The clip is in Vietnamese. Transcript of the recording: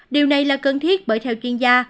điều này là cần thiết bởi theo chuyên gia